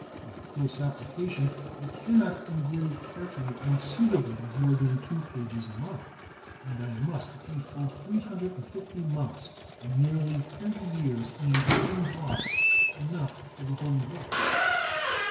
By close application, I cannot engrave carefully and suitably more than two pages a month; and I must be full three hundred and fifty months, or nearly thirty years, in engraving blocks enough for the Holy Book!"